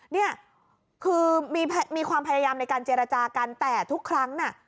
เนี่ยคือมีความพยายามในการเจรจากันแต่ทุกครั้งน่ะ